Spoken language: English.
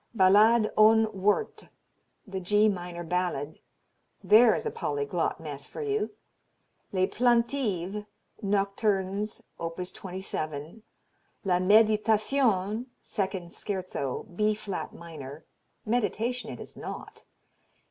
Ballade ohne Worte, the G minor Ballade there is a polyglot mess for you! Les Plaintives, Nocturnes, op. 27; La Meditation, Second Scherzo, B flat minor meditation it is not!